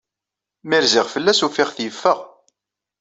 Mi rziɣ fell-as, ufiɣ-t yeffeɣ.